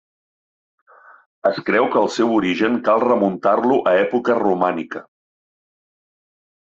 Es creu que el seu origen cal remuntar-lo a època romànica.